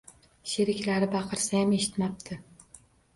Sheriklari baqirsayam eshitmabdi.